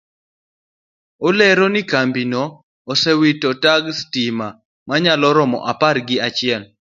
Olero ni kambino osewito dag stima manyalo romo apar gi achiel